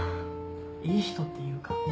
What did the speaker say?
いい人っていうか。